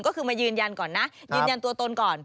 ก็คือมายืนยันก่อนนะยืนยันตัวตนก่อน